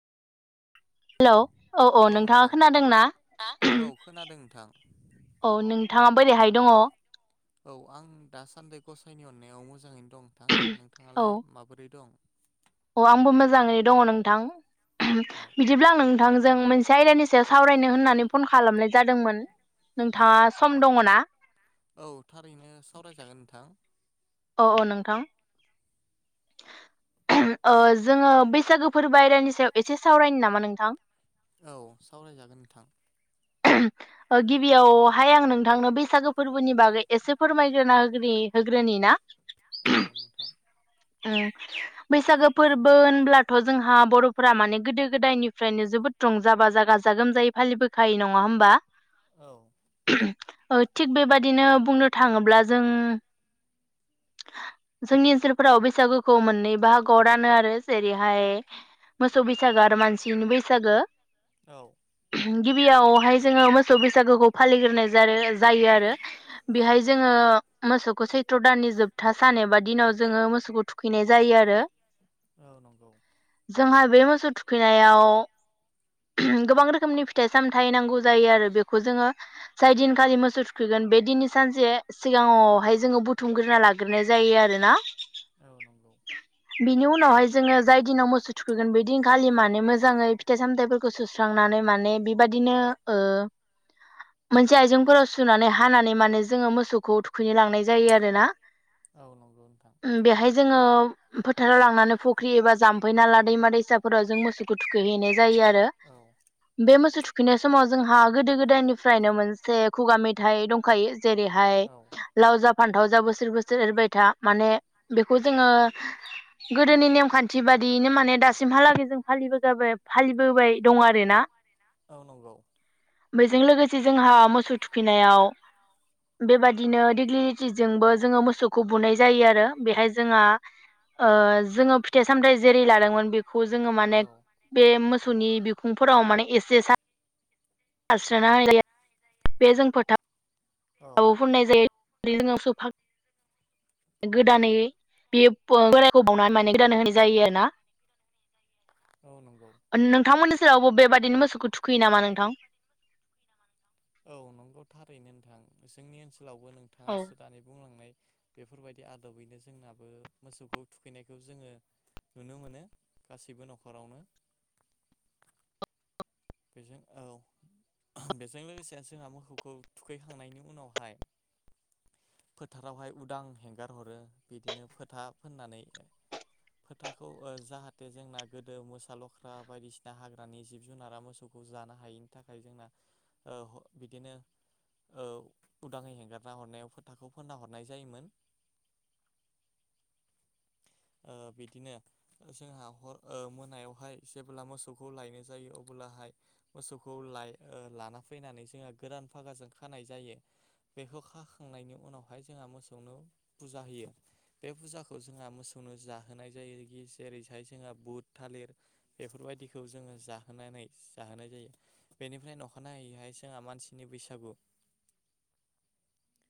Hello औ औ नोंथाङा खोनादोंना औ खोनादों नोंथां नों नोंथाङा बोरैहाय दङ? औ आं दासान्दि गसाइनि अननायाव मोजाङैनो दं नोंथां, नोंथाङालाय माबोरै दं? अ आंबो मोजाङैनो दङ नोंथां, औ बिदिब्ला आं नोंथां जों मोनसे आयदानि सायाव सावरायनो होननानै फन खालामनाय जादोंमोन। औ नोंथाङा सम दङ ना औ थारैनो सावरायजागोन नोंथां, अ अ नोंथां ओ जोङो बैसागोफोर बायेरानि सायाव एसे सावरायनो नामा नोंथां? औ सावरायजागोन नोंथां, गिबियावहाय आं नोंथांनो बैसागो फोर्बोनि बागै एसे फोरमायग्रोना [unintelligible] होग्रोनि ना? औ नोंथां ओ बैसागो फोर्बो होनब्लाथ' जोंहा बर'फोरा माने गोदो गोदायनिफ्रायनो जोबोद रंजा बाजा गाजा गोमजायै फालिबोखाय नङा होमबा, औ उम थिग बेबदिनो बुंनो थाङोब्ला जों जोंनि ओनसोलफोराव बे बैसागोखौ मोननै बाहागोआव रानो आरो जेरैहाय मोसौ बैसागो आरो मानसिनि बैसागो, औ गिबियावहाय जोङो मोसौ बैसागोखौ फालिग्रोनाय जाय जायो आरो बेहाय जोङो मोसौखौ सैथ्र' दाननि जोबथा सान एबा दिनाव जोङो मोसौखौ थुखैनाय जायो आरो औ नंगौ जोंहा बे मोसौ थुखैनायाव उम गोबां रोखोमनि फिथाइ सामथायाइ नांगौ जायो आरो बेखौ जोङो जाय दिनखालि मोसौ थुखैगोन बे दिननि सानसे सिगाङावहाय जोङो बुथुमग्रोना लाग्रोनाय जायो आरोना? औ नंगौ बिनि उनावहाय जोङो जाय दिनाव मोसौ थुखैगोन बेदिनखालि माने मोजाङै फिथाइ सामथाइफोरखौ सुस्रांनानै माने बेबदिनो ओ मोनसे आइजेंफोराव सुनानै हानानै माने जोङो मोसौखौ थुखैनो लांनाय जायो आरोना औ नंगौ नोंथां बेहाय जोङो फोथाराव लांनानै फुख्रि एबा जाम्फै नाला दैमा दैसाफोराव जों मोसौखौ थुखै हैनाय जायो आरो औ बे मोसौ थुखैनाय समाव जोंहा गोदो गोदायनिफ्रायनो मोनसे खुगा मेथाइ दंखायो जेरैहाय औ लावजा फान्थाव जा बो बोसोर बोसोर एरबाय था माने बे जों गोदोनि नेमान्थि बादियैनो माने दासिमहालागै जों फालिबोबाय दं आरो ना। औ नंगौ बेजों जोंहा मोसौ थुखैनायाव बेबायदिनो दिग्लिटिजोंबो जोङो मोसौखौ बुनाय जायो आरो। बेहाय जोंहा ओ जोङो फिथाइ सामथायाइ जेरै लादोंमोन बेखौ जोङो माने औ बे मोसौनि बिखुंफोराव माने एसे [unintelligible] आनाल [unintelligible] बे जों औ फोथाराव होननाय जायो। जोंयो [unintelligible] गोदानै बेयो ओ बोरायखौ बावनानै माने गोदानै होनाय जायो आरोना। औ नंगौ ओ नोंथांमोननि सेरावबो बेबादि [unintelligible] मोसौखौ थुखैयो नामा नोंथां? औ नंगौ थारैनो नोंथां। जोंनि ओनसोल ओनसोलावबो नोंथाङा औ सोदानि बुंलांनाय बेफोरबायदि आदबैनो जोंनाबो मोसौखौ थुखैनायखौ जोङो नुनो मोनो गासैबो नखरावनो। बेजों औ बेजों लोगोसे जोंहा मोसौखौ थुखैखांनायनि उनावहाय फोथारावहाय उदां हेंगार हरो। बिदिनो फोथा फोननानै फोथाखौ ओ जाहाथे जोंना गोदो मोसा लख्रा बायदिसिना हाग्रानि जिब जुनारा मोसौ खौ जानो हायैनि थाखाय जोंना बिदिनो उदाङै हेंगारना हरनायावो फोथाखौ फोनना हरनाय जायोमोन। ओ बिदिनो जोंहा हर मोनायावहाय जेब्ला मोसौखौ लायनाय जायो अब्लाहाय मोसौखौ लाना फैनानै जोंहा गोदान फागाजों खानाय जायो बेखौ खाखांनायनि उनावहाय जोंहा मोसौनो फुजा होयो। बे फुजाखौ जोंहा मोसौ मोसौनो जाहोनाय जायो जेरैहाय जोंहा बुध थालिर बेफोरबायदिखौ जोङो जाहोनानै जाहोनाय जायो। बेनिफ्राय अखानायैहाय जोंहा मानसिनि बैसागु।